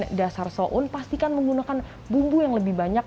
menggunakan bahan dasar so'un pastikan menggunakan bumbu yang lebih banyak